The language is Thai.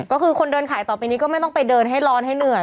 ก็คือคนเดินขายต่อไปนี้ก็ไม่ต้องไปเดินให้ร้อนให้เหนื่อย